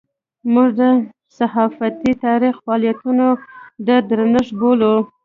موږ د صحافتي تاریخ فعالیتونه یې د درنښت بولو.